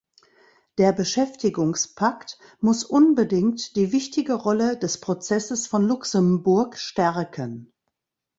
Der Beschäftigungspakt muss unbedingt die wichtige Rolle des Prozesses von Luxemburg stärken.